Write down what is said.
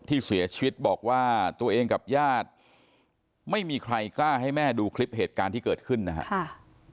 ที่เสียชีวิตบอกว่าตัวเองกับญาติไม่มีใครกล้าให้แม่ดูคลิปเหตุการณ์ที่เกิดขึ้นนะครับ